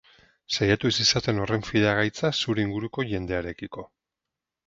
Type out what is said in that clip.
Saiatu ez izaten horren fidagaitza zure inguruko jendearekiko.